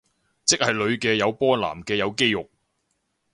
即係女嘅有波男嘅有肌肉